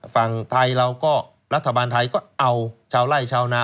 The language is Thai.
ฝั่งไทยเราก็รัฐบาลไทยก็เอาชาวไล่ชาวนา